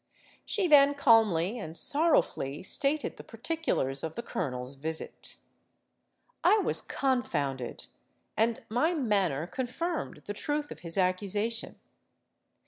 She then calmly and sorrowfully stated the particulars of the colonel's visit. I was confounded; and my manner confirmed the truth of his accusation.